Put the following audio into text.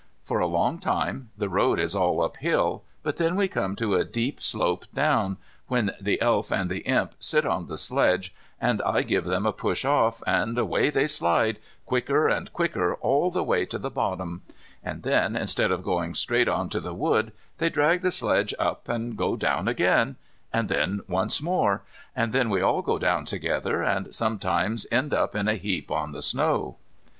For a long time the road is all up hill, but then we come to a deep slope down, when the Elf and the Imp sit on the sledge, and I give them a push off, and away they slide, quicker and quicker all the way to the bottom; and then, instead of going straight on to the wood, they drag the sledge up and go down again, and then once more, and then we all go down together and sometimes end in a heap on the snow.